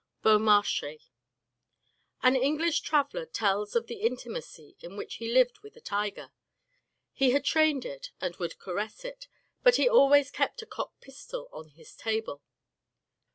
— Beaitmarchais. An English traveller tells of the intimacy in which he lived with a tiger. He had trained it and would caress it, but he always kept a cocked pistol on his table.